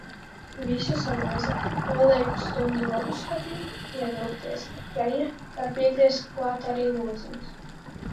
Visu samaisa, noliek uz stundu ledusskapī ievilkties. Ja ir, var piegriezt klāt arī lociņus.